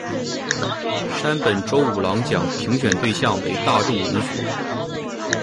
山本周五郎奖评选对象为大众文学。